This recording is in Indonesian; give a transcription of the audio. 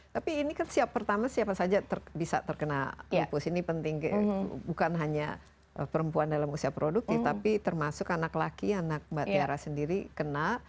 tapi ini kan siap pertama siapa saja bisa terkena lupus ini penting bukan hanya perempuan dalam usia produktif tapi termasuk anak laki anak mbak tiara sendiri kena